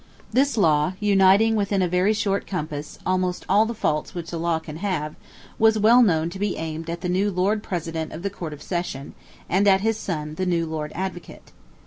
This law, uniting, within a very short compass, almost all the faults which a law can have, was well known to be aimed at the new Lord President of the Court of Session, and at his son the new Lord Advocate.